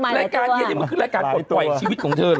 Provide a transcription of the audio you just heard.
รายการเหี้ยเห็นมันคือรายการปลดป่อยชีวิตปรงเทศหรอ